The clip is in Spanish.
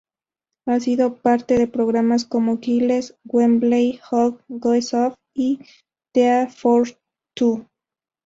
Ha sido parte de programas como "Giles Wemmbley-Hogg Goes Off" y "Tea for Two".